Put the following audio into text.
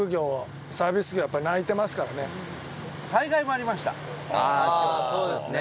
北山：そうですね。